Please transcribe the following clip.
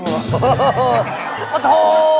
โอ้โธ่